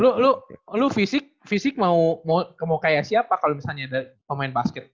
lu lu lu fisik fisik mau mau mau kayak siapa kalo misalnya mau main basket